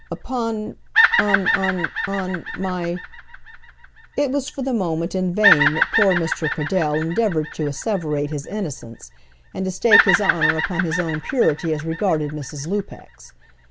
"Upon on on on my " It was for the moment in vain that poor Mr. Cradell endeavoured to asseverate his innocence, and to stake his honour upon his own purity as regarded Mrs. Lupex.